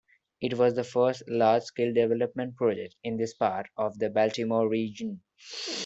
It was the first large-scale development project in this part of the Baltimore region.